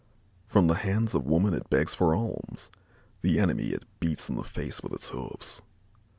From the hands of women it begs for alms; the enemy it beats in the face with its hoofs.